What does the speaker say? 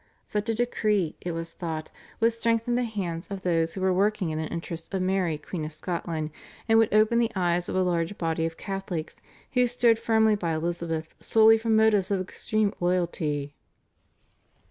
Such a decree, it was thought, would strengthen the hands of those who were working in the interests of Mary Queen of Scotland, and would open the eyes of a large body of Catholics who stood firmly by Elizabeth solely from motives of extreme loyalty.